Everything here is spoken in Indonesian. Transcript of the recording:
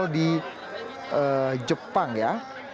satu di jepang ya